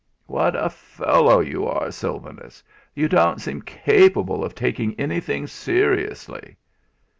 "What a fellow you are, Sylvanus; you don't seem capable of taking anything seriously."